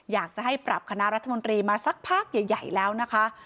อยากจะให้ปรับคณะรัฐมนตรีมาสักพักใหญ่แล้วนะคะ